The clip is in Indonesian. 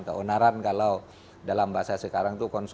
keonaran kalau dalam bahasa sekarang itu